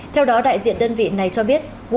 theo đó đại diện đơn vị này cho biết